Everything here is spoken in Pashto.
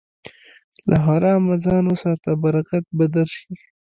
له حرامه ځان وساته، برکت به درشي.